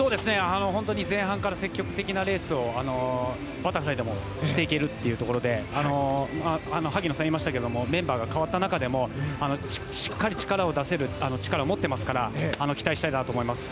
前半から積極的なレースをバタフライでもしていけるところで萩野さんが言いましたけれどもメンバーが変わった中でもしっかり力を出せる力を持っていますから期待したいなと思います。